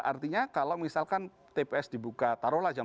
artinya kalau misalkan tps dibuka taruhlah jam delapan